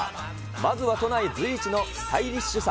まずは都内随一のスタイリッシュさ！